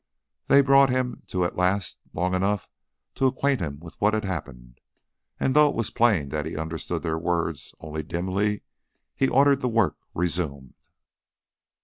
They brought him to at last long enough to acquaint him with what had happened, and although it was plain that he understood their words only dimly, he ordered the work resumed.